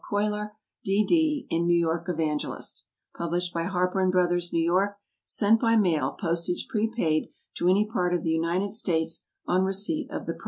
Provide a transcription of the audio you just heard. CUYLER, D.D., in New York Evangelist. Published by HARPER & BROTHERS, New York. _Sent by mail, postage prepaid, to any part of the United States, on receipt of the price.